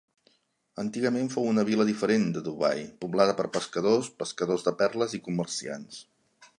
Antigament fou una vila diferent de Dubai, poblada per pescadors, pescadors de perles i comerciants.